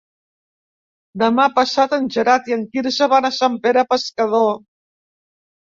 Demà passat en Gerard i en Quirze van a Sant Pere Pescador.